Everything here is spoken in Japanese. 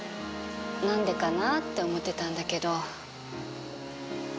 何でかなって思ってたんだけど。